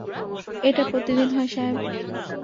এটা প্রতিদিন হয়, সাহেব।